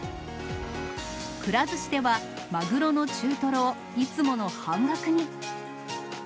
くら寿司ではマグロの中とろをいつもの半額に。